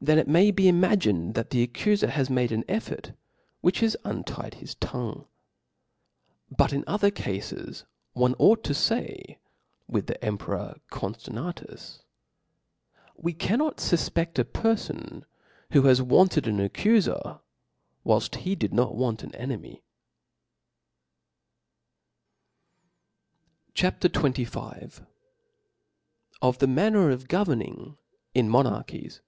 Then it may te imagined that the accufer has made an effort, which has un tied his tongue. But in other cafes one ought to fay with the emperor Conftanrius :fFe cannot •* fufpeS a perfon who has wanted an accufer^ whilft C) Ug. •• he did not want an enemy (*)., VI. Cod. Tbeod. ^J^^is CHAP. XXV. OftAe manner cf governing in Monarchies.